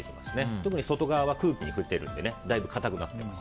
特に外側は空気に触れているのでだいぶ硬くなっています。